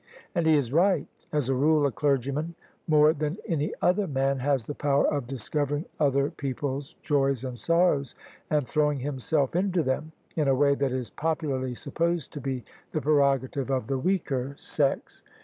And he is right. As a rule a clergyman more than any other man has the power of discovering other people's ]oys and sorrows and throwing himself into them, in a way that is popularly supposed to be the prerogative of the weaker sex.